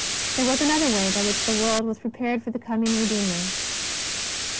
There was another way by which the world was pre pared for the coming Redeemer.